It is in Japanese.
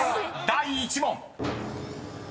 第１問］